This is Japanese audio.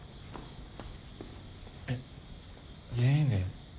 えっ全員で？